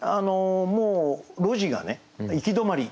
もう路地が行き止まり。